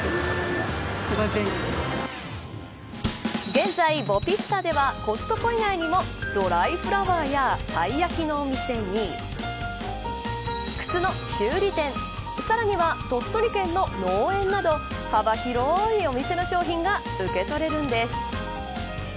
現在、ボピスタではコストコ以外にもドライフラワーやたい焼きのお店に靴の修理店さらには、鳥取県の農園など幅広いお店の商品が受け取れるんです。